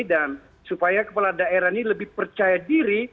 dan supaya kepala daerah ini lebih percaya diri